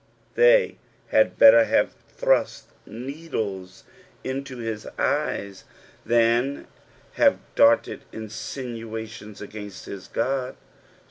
They had belter have thrust needles into his eyes thnn have darted insinuationB against his God.